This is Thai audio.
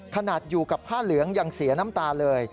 ขนาดอยู่กับผ้าเหลืองยังเสียน้ำตาเลย